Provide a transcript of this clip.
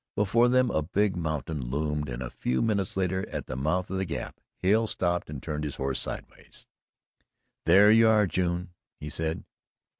Before them a big mountain loomed, and a few minutes later, at the mouth of the Gap, Hale stopped and turned his horse sidewise. "There we are, June," he said.